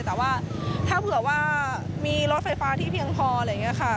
แต่ว่าถ้าเผื่อว่ามีรถไฟฟ้าที่เพียงพอเลยค่ะ